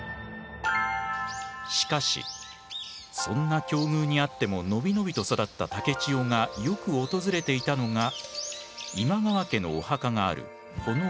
しかしそんな境遇にあっても伸び伸びと育った竹千代がよく訪れていたのが今川家のお墓があるこのお寺。